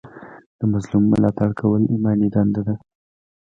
د مظلوم ملاتړ کول ایماني دنده ده.